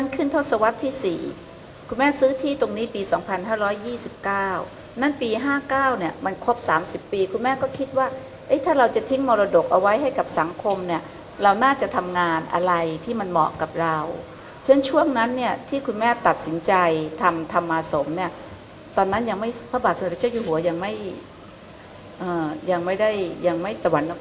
คุณแม่ซื้อที่ตรงนี้ปีสองพันห้าร้อยยี่สิบเก้านั้นปีห้าเก้าเนี่ยมันครบสามสิบปีคุณแม่ก็คิดว่าเอ๊ะถ้าเราจะทิ้งมรดกเอาไว้ให้กับสังคมเนี่ยเราน่าจะทำงานอะไรที่มันเหมาะกับเราเพราะฉะนั้นช่วงนั้นเนี่ยที่คุณแม่ตัดสินใจทำธรรมสมเนี่ยตอนนั้นยังไม่พระบาทสัตว์เจ้าอยู่หัวยังไม